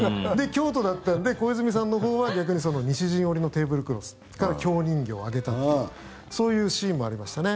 京都だったので小泉さんのほうは逆に西陣織のテーブルクロスそれから京人形をあげたというそういうシーンもありましたね。